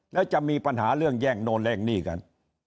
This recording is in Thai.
แล้วจะมีปัญหาเรื่องแย่งโน่นแย่งหนี้กัน